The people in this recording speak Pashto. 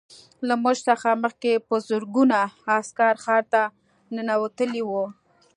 له موږ څخه مخکې په زرګونه عسکر ښار ته ننوتلي وو